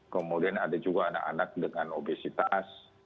kemudian ada juga anak anak dengan obesitas